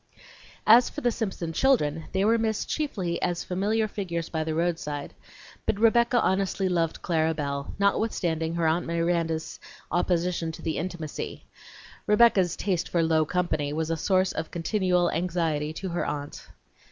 As for the Simpson children, they were missed chiefly as familiar figures by the roadside; but Rebecca honestly loved Clara Belle, notwithstanding her Aunt Miranda's opposition to the intimacy. Rebecca's "taste for low company" was a source of continual anxiety to her aunt.